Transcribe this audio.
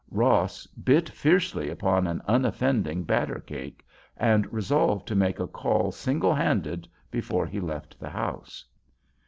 Ross bit fiercely upon an unoffending batter cake, and resolved to make a call single handed before he left the house.